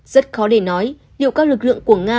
rất khó để nói liệu các lực lượng của nga